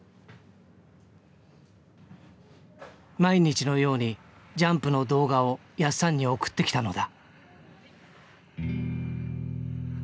毎日のようにジャンプの動画をやっさんに送ってきたのだ。